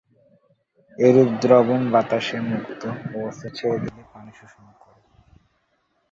এরূপ দ্রবণ বাতাসে মুক্ত অবস্থায় ছেড়ে দিলে পানি শোষণ করে।